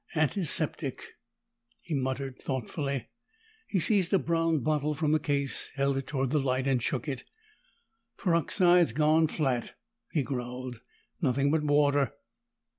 "Antiseptic," he muttered thoughtfully. He seized a brown bottle from the case, held it toward the light, and shook it. "Peroxide's gone flat," he growled. "Nothing but water."